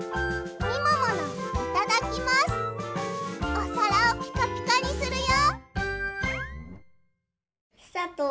おさらをピカピカにするよ。